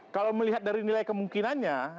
kalau melihat dari nilai kemungkinannya